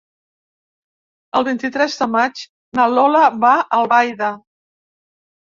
El vint-i-tres de maig na Lola va a Albaida.